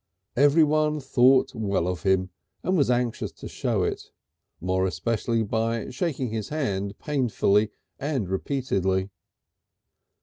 Everyone thought well of him and was anxious to show it, more especially by shaking his hand painfully and repeatedly.